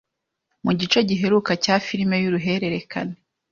Mu gice giheruka cya Filime y’uruhererekane